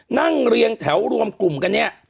เรียงแถวรวมกลุ่มกันเนี่ย